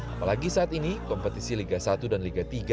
apalagi saat ini kompetisi liga satu dan liga tiga